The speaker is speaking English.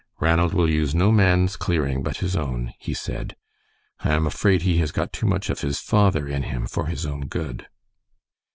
"Ranald will use no man's clearing but his own," he said. "I am afraid he has got too much of his father in him for his own good."